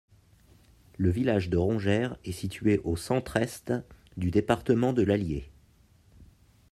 Le village de Rongères est situé au centre-est du département de l'Allier.